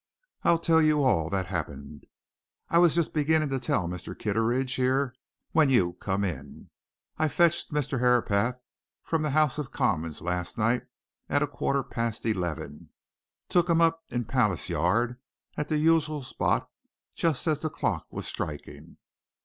"I'll tell you all that happened I was just beginning to tell Mr. Kitteridge here when you come in. I fetched Mr. Herapath from the House of Commons last night at a quarter past eleven took him up in Palace Yard at the usual spot, just as the clock was striking.